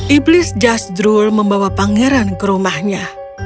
iblis jasdrul membawa pangeran ke rumahnya